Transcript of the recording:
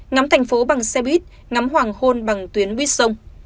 ngắm thành phố bằng xe buýt ngắm hoàng hôn bằng tuyến buýt sông